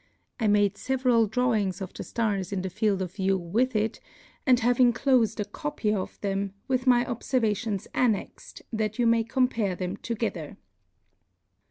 I made feveral drawings of the flars in the field of view with it, and have inclofed a copy of them, with my obfervations annexed^ that you may compare them together.